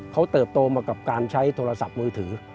เขาเติบโตมากับการใช้โทรศัพท์มือถือ